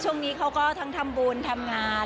ช่วงนี้เขาก็ทั้งทำบุญทำงาน